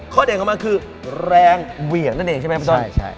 ข้อเด่นเข้ามาคือแรงเหวี่ยงนั่นเองใช่ไหมพระจน